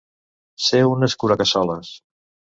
Ser un escuracassoles.